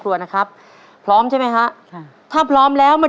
เพื่อชิงทุนต่อชีวิตสูงสุด๑ล้านบาท